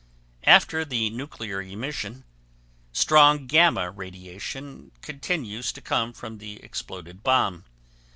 After the nuclear emission, strong gamma radiation continues to come from the exploded bomb.